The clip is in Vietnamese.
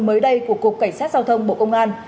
mới đây của cục cảnh sát giao thông bộ công an